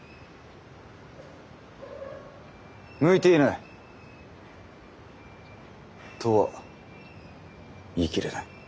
向いていない。とは言い切れない。